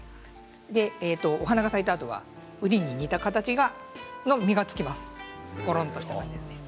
お花が咲いたあとはうりに似た形の実がつきます。